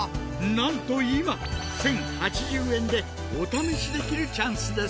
なんと今１，０８０円でお試しできるチャンスです！